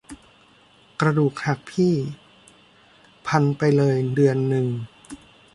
กระดูกหักพี่ พันไปเลยเดือนนึง